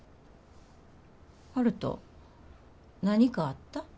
悠人何かあった？